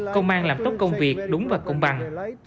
công an làm tốt công việc đúng và công bằng